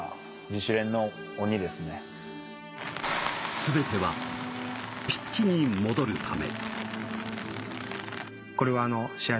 全てはピッチに戻るため。